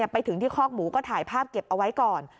ไปถึงที่คอกหมูก็ถ่ายภาพเก็บเอาไว้ก่อน